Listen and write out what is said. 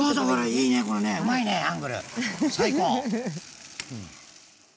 いいね、これね、アングル、最高。